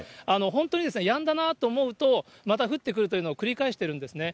本当にやんだなと思うと、また降ってくるというのを繰り返してるんですね。